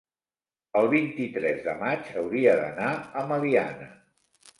El vint-i-tres de maig hauria d'anar a Meliana.